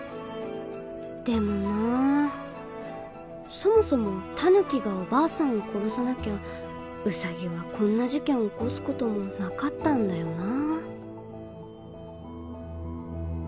でもなそもそもタヌキがおばあさんを殺さなきゃウサギはこんな事件を起こす事もなかったんだよな。